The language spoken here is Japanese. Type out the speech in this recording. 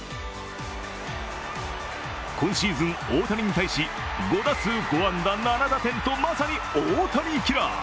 今シーズン、大谷に対し、５打数５安打７打点とまさに大谷キラー。